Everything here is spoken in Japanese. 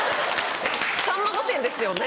『さんま御殿‼』ですよね？